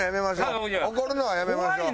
怒るのはやめましょう。